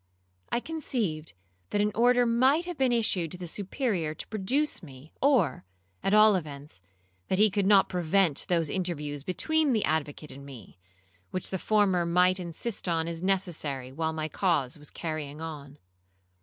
I conceived that an order might have been issued to the Superior to produce me, or, at all events, that he could not prevent those interviews between the advocate and me, which the former might insist on as necessary while my cause was carrying on.